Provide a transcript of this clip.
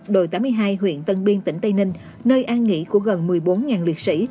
đội tám mươi hai huyện tân biên tỉnh tây ninh nơi an nghỉ của gần một mươi bốn liệt sĩ